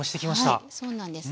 はいそうなんです。